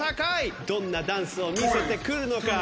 どんなダンスを見せてくるのか？